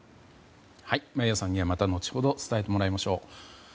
眞家さんには、また後ほど伝えてもらいましょう。